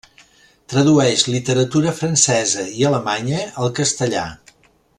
Tradueix literatura francesa i alemanya al castellà.